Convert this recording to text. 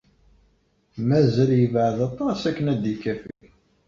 Mazal yebɛed aṭas akken ad d-ikafi.